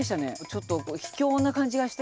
ちょっと秘境な感じがして。